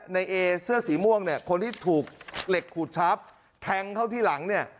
ในเอเสื้อสีม่วงเนี่ยคนที่ถูกเหล็กขูดชับแทงเข้าที่หลังเนี่ย